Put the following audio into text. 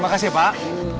makasih ya pak